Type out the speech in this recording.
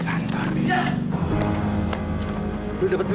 kalau ini emang